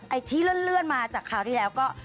ไอ้ที่เลื่อนมาจากคราวที่แล้วก็